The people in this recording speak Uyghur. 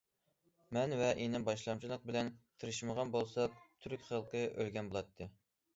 مەن ۋە ئىنىم باشلامچىلىق بىلەن تىرىشمىغان بولساق تۈرك خەلقى ئۆلگەن بولاتتى.